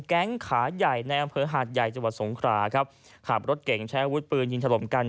แก๊งขาใหญ่ในอำเภอหาดใหญ่จังหวัดสงขราครับขับรถเก่งใช้อาวุธปืนยิงถล่มกัน